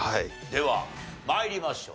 では参りましょう。